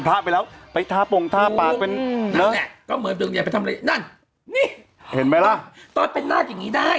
น่าจะเป็นทองนะพี่